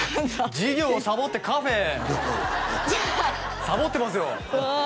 「授業をサボってカフェへ」サボってますようわ